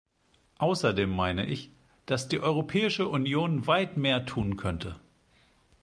Außerdem meine ich, dass die Europäische Union weit mehr tun könnte.